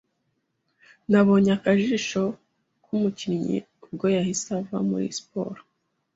Nabonye akajisho k'umukinnyi ubwo yahise ava muri siporo.